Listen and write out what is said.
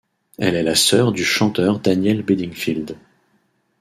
Elle est la sœur du chanteur Daniel Bedingfield.